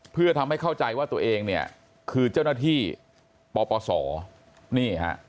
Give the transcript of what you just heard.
เพื่อทำให้เข้าใจว่าตัวเองเนี่ยคือเจ้าหน้าที่ปปศนี่ฮะ